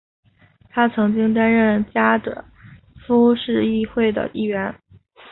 他曾经担任加的夫市议会的议员。